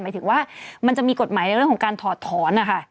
หมายถึงว่ามันจะมีกฎหมายในเรื่องของการถอดถอนนะคะ